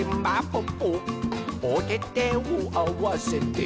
ぽっぽおててをあわせて」